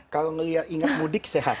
kalau melihat ingat mudik sehat